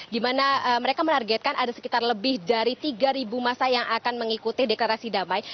di mana mereka menargetkan ada sekitar lebih dari tiga masa yang akan mengikuti deklarasi damai